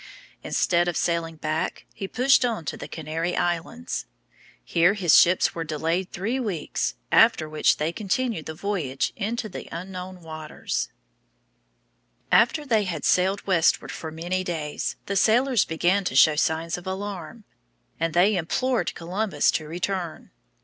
Instead of sailing back, he pushed on to the Canary Islands. Here his ships were delayed three weeks, after which they continued the voyage into unknown waters. After they had sailed westward for many days, the sailors began to show signs of alarm, and they implored Columbus to return.